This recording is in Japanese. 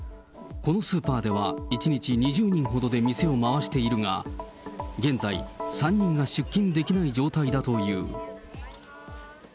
このスーパーでは１日２０人ほどで店を回しているが、現在、３人が出勤できない状態だという。